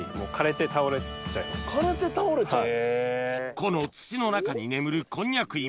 この土の中に眠るこんにゃく芋